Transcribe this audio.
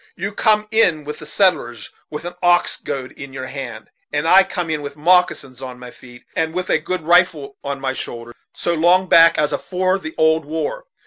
"You come in with the settlers, with an ox goad in your hand, and I come in with moccasins on my feet, and with a good rifle on my shoulders, so long back as afore the old war.